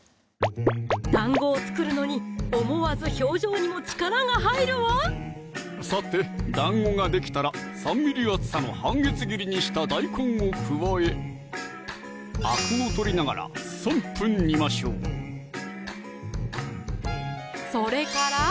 団子を作るのに思わず表情にも力が入るわさて団子ができたら３ｍｍ厚さの半月切りにした大根を加えアクを取りながら３分煮ましょうそれから？